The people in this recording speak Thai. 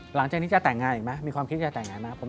หลังจากนี้จะแต่งงานอีกไหมมีความคิดจะแต่งงานไหม